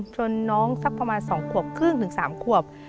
จนน้องสักประมาณ๒๓ขวบ